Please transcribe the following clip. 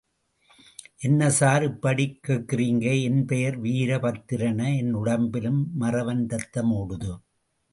என்ன சார் இப்படிக் கேட்கிறீங்க, என் பெயர் வீரபத்ரன் என் உடம்பிலும் மறவன் ரத்தம் ஓடுது.